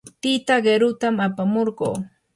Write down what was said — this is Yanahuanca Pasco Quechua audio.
tita qirutam apamurquu.